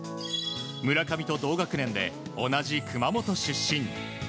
村上と同学年で同じ熊本出身。